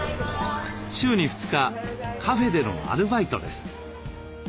週に２日カフェでのアルバイトです。